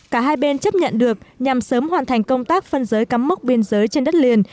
cả hai bên chấp nhận được nhằm sớm hoàn thành công tác phân giới cắm mốc biên giới trên đất liền